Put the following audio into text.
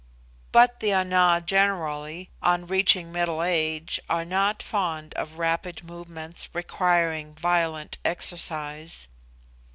But the Ana generally, on reaching middle age, are not fond of rapid movements requiring violent exercise.